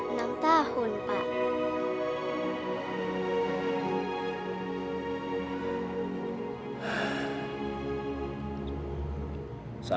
enam tahun pak